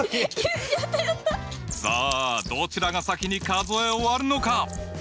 さあどちらが先に数え終わるのか？